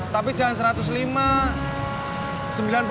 tapi jangan satu ratus lima puluh